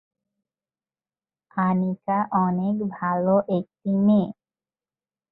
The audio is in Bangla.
ইলেকট্রিক গিটারের নানা রকম প্রকারভেদ আছে।